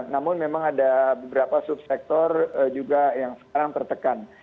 namun memang ada beberapa subsektor juga yang sekarang tertekan